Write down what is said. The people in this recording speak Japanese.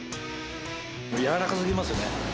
柔らかすぎますよね。